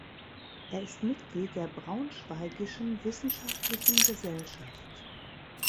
Er ist Mitglied der Braunschweigischen Wissenschaftlichen Gesellschaft.